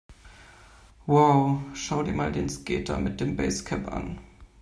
Wow, schau dir mal den Skater mit dem Basecap an!